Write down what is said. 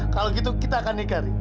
kalau gitu kita akan nikah ri